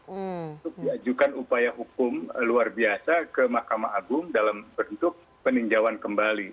untuk diajukan upaya hukum luar biasa ke mahkamah agung dalam bentuk peninjauan kembali